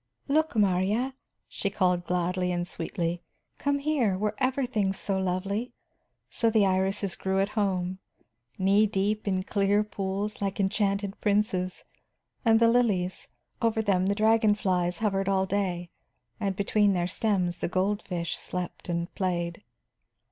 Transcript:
"Look, Marya," she called gladly and sweetly. "Come here; were ever things so lovely? So the irises grew at home, knee deep in the clear pools, like enchanted princes. And the lilies, over them the dragon flies hovered all day and between their stems the goldfish slept and played."